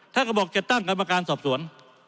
ท่านก็บอกจะตั้งกรรมการสอบสวน